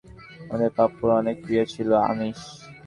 আমাদের পাপ্পুর অনেক প্রিয় ছিলো আমিষ।